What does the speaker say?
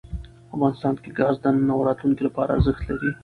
افغانستان کې ګاز د نن او راتلونکي لپاره ارزښت لري.